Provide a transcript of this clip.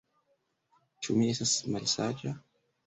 Ĉu mi estas malsaĝa?